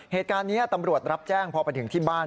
เหตุการณ์นี้ตำรวจรับแจ้งพอไปถึงที่บ้าน